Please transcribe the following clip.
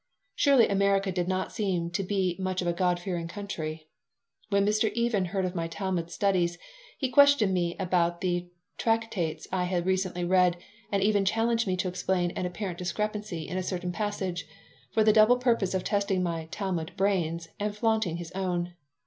Surely America did not seem to be much of a God fearing country When Mr. Even heard of my Talmud studies he questioned me about the tractates I had recently read and even challenged me to explain an apparent discrepancy in a certain passage, for the double purpose of testing my "Talmud brains" and flaunting his own.